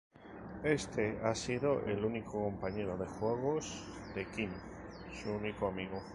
Éste ha sido el único compañero de juegos de Quinn, su único amigo.